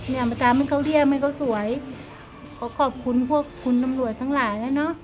เนี้ยมันตามไม่เขาเรียกไม่เขาสวยเขาก็ขอบคุณพวกคุณอำรวจทั้งหลายแล้วเนอะ